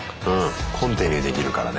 コンティニューできるからね。